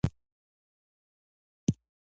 ترموز له سړې هوا سره مقابله کوي.